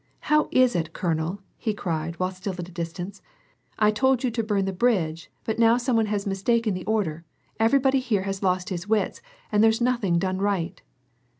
" How is it, colonel," he cried, while still at a distance, " I told you to burn the bridge, but now some one has mistaken the order ; everybody here has lost his wits, and there's nothing done right."